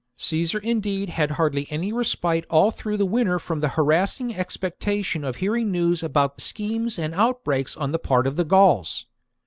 Caesar indeed had hardly any respite all through the winter from the harassing expectation of hearing news about schemes and outbreaks on the part of the Gauls.